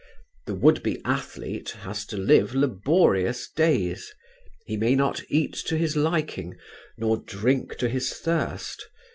The would be athlete has to live laborious days; he may not eat to his liking, nor drink to his thirst.